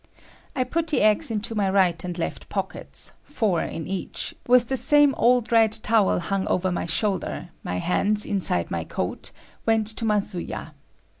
I put the eggs into my right and left pockets, four in each, with the same old red towel hung over my shoulder, my hands inside my coat, went to Masuya.